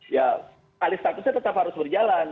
ya alih statusnya tetap harus berjalan